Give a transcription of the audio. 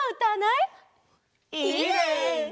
いいね！